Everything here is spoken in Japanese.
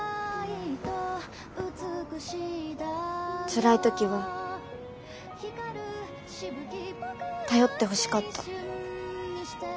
つらい時は頼ってほしかった。